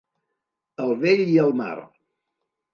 El vell i el mar.